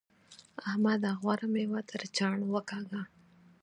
احمده! غوره مېوه تر چاڼ وکاږه.